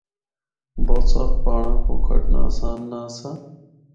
بہت سخت پہاڑاں کو کٹنا آسان نہ آسا۔